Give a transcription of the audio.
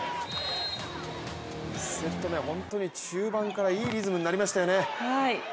１セット目は本当に中盤からいいリズムになりましたよね。